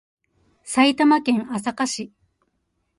埼玉県朝霞市